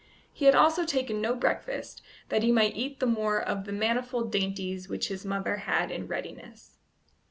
He had also taken no breakfast, that he might eat the more of the manifold dainties which his mother had in readiness.